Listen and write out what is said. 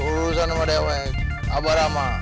urusan sama dewa abarama